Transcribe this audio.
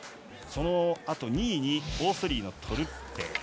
そのあと２位にオーストリアのトルッペ。